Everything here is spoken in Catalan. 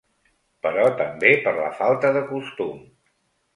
Però també per la falta de costum.